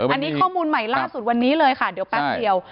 อันนี้ข้อมูลใหม่ล่าสุดวันนี้เลยค่ะเดี๋ยวแป๊บเดียว